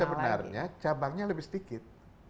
sebenarnya cabangnya lebih sedikit